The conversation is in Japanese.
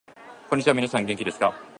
こんにちは、みなさん元気ですか？